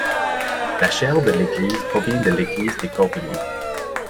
La chaire de l'église provient de l'église des Cordeliers.